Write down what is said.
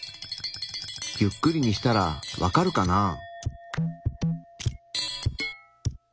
ゆっくりにしたらわかるかな？